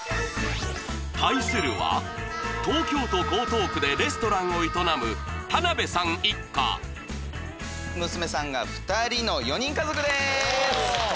対するは東京都江東区でレストランを営む娘さんが２人の４人家族です！